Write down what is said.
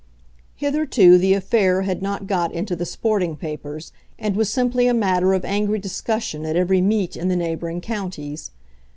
Hitherto the affair had not got into the sporting papers, and was simply a matter of angry discussion at every meet in the neighbouring counties.